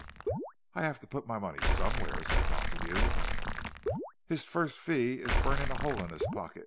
"I have to put my money somewhere," said Montague. "His first fee is burning a hole in his pocket!"